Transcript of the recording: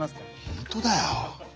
本当だよ。